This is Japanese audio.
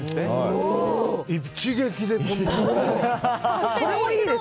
一撃で。